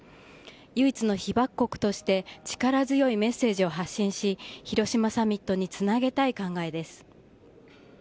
唯一の被爆国として、力強いメッセージを発信し、広島サミットにつなげたい考えです。